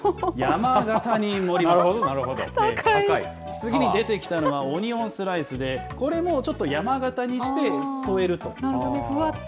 次に出てきたのはオニオンスライスで、これもちょっと山形にふわっと。